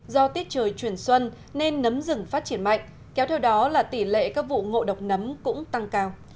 do tiết trời chuyển xuân nên nấm rừng phát triển mạnh kéo theo đó là tỷ lệ các vụ ngộ độc nấm cũng tăng cao